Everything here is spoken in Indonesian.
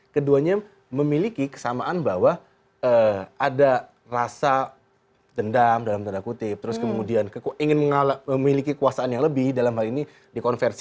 keduanya memiliki kesamaan bahwa ada rasa dendam dalam tanda kutip terus kemudian ingin memiliki kekuasaan yang lebih dalam hal ini dikonversi